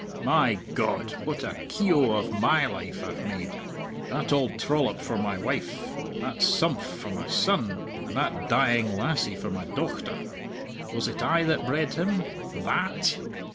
My God, what a ke o of my life I've made that auld trollop for my wife, that sumph for my son, and that dying lassie for my dochter! Was it I that bred him? _That!